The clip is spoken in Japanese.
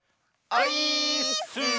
オイーッス！